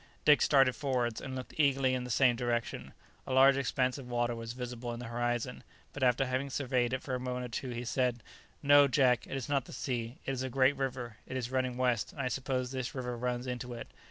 Dick started forwards, and looked eagerly in the same direction. A large expanse of water was visible in the horizon, but after having surveyed it for a moment or two, he said, "No, Jack, it is not the sea, it is a great river; it is running west, and I suppose this river runs into it.